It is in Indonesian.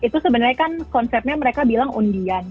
itu sebenarnya kan konsepnya mereka bilang undian